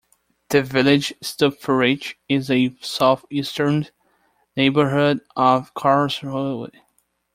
The village Stupferich is a southeastern neighborhood of Karlsruhe.